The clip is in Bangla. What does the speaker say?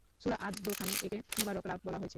সূরা আদ-দোখানে একে মুবারক রাত বলা হয়েছে।